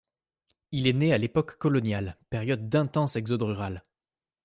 Il est né à l'époque coloniale, période d'intense exode rural.